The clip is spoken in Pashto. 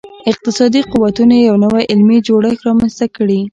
اقتصادي قوتونو یو نوی علمي جوړښت رامنځته کړي.